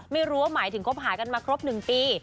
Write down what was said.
ไม่รู้ว่าหมายถึงคบหากันมาครบ๑ปี